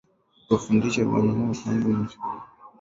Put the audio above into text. Barifukusha banamuke ndani ya mashamba njuu bashi rime